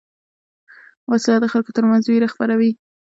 وسله د خلکو تر منځ وېره خپروي